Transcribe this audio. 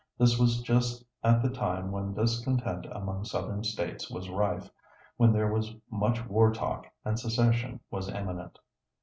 This was just at the time when discontent among Southern States was rife, when there was much war talk, and secession was imminent.